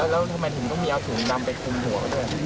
แล้วทำไมถึงต้องมีเอาถุงดำไปคุมหัวด้วย